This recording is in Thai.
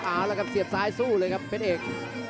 อาวแล้วก็เสียบซ้ายสู้เลยครับเพชรเอก